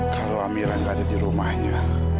kalau amira nggak ada di rumahnya